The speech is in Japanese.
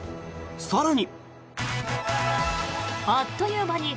更に。